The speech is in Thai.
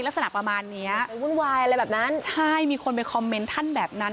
ลักษณะประมาณนี้ใช่มีคนไปคอมเมนต์ท่านแบบนั้น